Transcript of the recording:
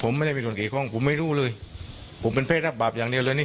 ผมไม่ได้มีส่วนเกี่ยวข้องผมไม่รู้เลยผมเป็นเพศรับบาปอย่างเดียวเลยนี่